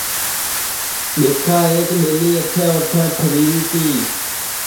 دؔیکھا ایک ٻیلی ایٹھے اوٹھے پھیری ری تی